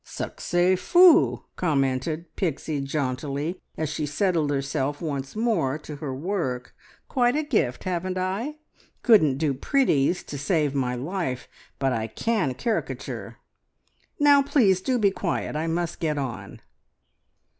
"Succes fou!" commented Pixie jauntily, as she settled herself once more to her work. "Quite a gift, haven't I? Couldn't do pretties to save my life, but I can caricature! Now, please, do be quiet! I must get on..."